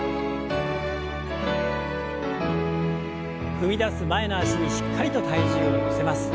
踏み出す前の脚にしっかりと体重を乗せます。